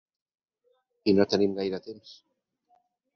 I no tenim gaire temps.